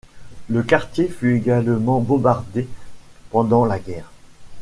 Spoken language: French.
Le quartier fut également bombardé pendant la guerre.